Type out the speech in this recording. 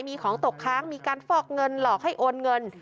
มีของตกค้างมีการฟอกเงินหลอกให้โอนเงิน